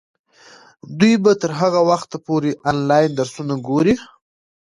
دوی به تر هغه وخته پورې انلاین درسونه ګوري.